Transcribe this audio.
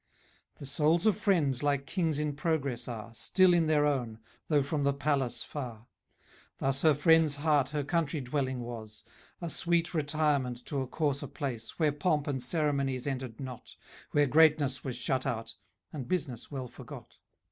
The souls of friends like kings in progress are, Still in their own, though from the palace far: Thus her friend's heart her country dwelling was, A sweet retirement to a coarser place; Where pomp and ceremonies entered not, Where greatness was shut out, and business well forgot.